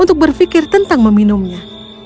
dan juga berpikir tentang meminumnya